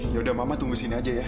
ya udah mama tunggu sini aja ya